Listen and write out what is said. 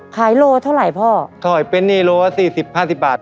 โลเท่าไหร่พ่อถ่อยเป็นนี่โลละสี่สิบห้าสิบบาท